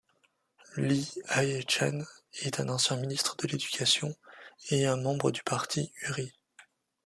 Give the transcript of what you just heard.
Lee Hae-chan est un ancien ministre de l'Éducation et un membre du Parti Uri.